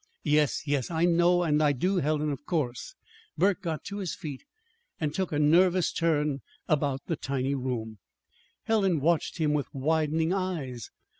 "Yes, yes, I know; and I do, Helen, of course." Burke got to his feet and took a nervous turn about the tiny room. Helen watched him with widening eyes.